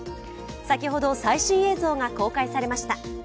先ほど最新映像が公開されました。